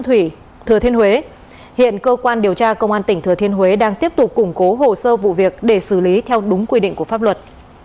thủy thừa thiên huế hiện cơ quan điều tra công an tỉnh thừa thiên huế đang tiếp tục củng cố hồ sơ vụ việc để xử lý theo đúng quy định của pháp luật